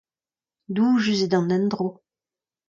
Doujus eo d'an endro.